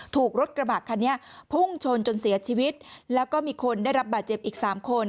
ถูกรถกระบะคันนี้พุ่งชนจนเสียชีวิตแล้วก็มีคนได้รับบาดเจ็บอีกสามคน